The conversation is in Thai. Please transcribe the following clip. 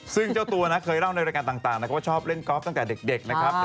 ซึ่งเจ้าตัวนะเคยเล่าในรายการต่างนะครับว่าชอบเล่นกอล์ฟตั้งแต่เด็กนะครับ